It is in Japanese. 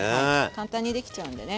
簡単にできちゃうんでね。